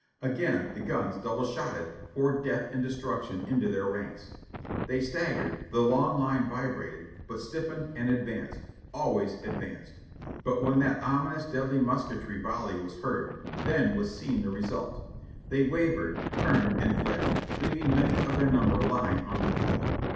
"Again the gims, double shotted, poured death and destruction into their ranks. They staggered, the long line vibrated, but stiffened and advanced — always advanced. But when that omi nous deadly musketry volley was heard, then was seen the result. They wavered, turned and fled, leaving many of their number lying on the field.